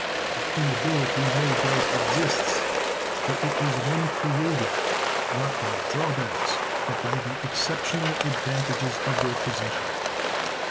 The inability no doubt exists, but it is one created, not by the drawbacks, but by the exceptional advantages of their position.